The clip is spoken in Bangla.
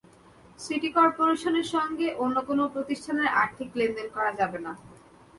সিটি করপোরেশনের সঙ্গে অন্য কোনো প্রতিষ্ঠানের আর্থিক লেনদেন করা যাবে না।